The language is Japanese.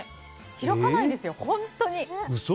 開かないですよ、本当に。